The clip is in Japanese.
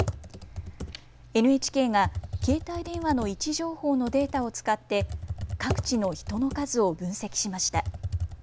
ＮＨＫが携帯電話の位置情報のデータを使って各地の人の数を分析しました。